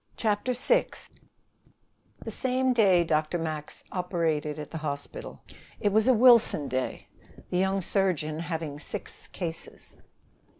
CHAPTER VI The same day Dr. Max operated at the hospital. It was a Wilson day, the young surgeon having six cases.